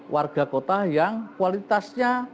warga kota yang kualitasnya